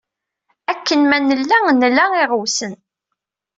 Akken ma nella nla iɣewsen.